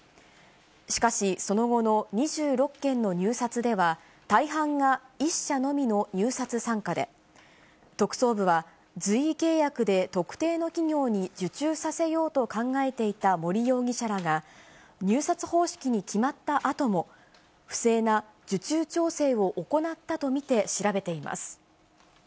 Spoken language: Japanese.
しかし、その後の２６件の入札では、大半が１社のみの入札参加で、特捜部は、随意契約で特定の企業に受注させようと考えていた森容疑者らが、入札方式に決まったあとも、不正な受注調整を行ったと見て調べています。